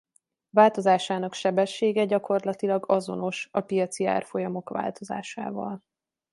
Változásának sebessége gyakorlatilag azonos a piaci árfolyamok változásával.